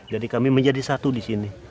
jadi kami menjadi satu disini